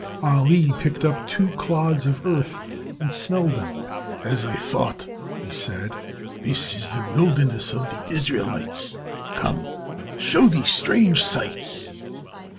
Ali picked up two clods of earth and smelt them. "As I thought," he said, "this is the wilderness of the Israelites. Come, I will show thee strange sights."